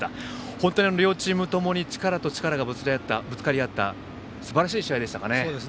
本当に両チームともに力と力がぶつかり合ったすばらしい試合でした。